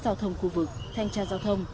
giao thông khu vực thanh tra giao thông